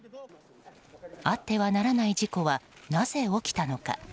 あってはならない事故はなぜ起きたのか。